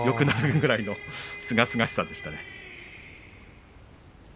なるぐらいのすがすがしさでした。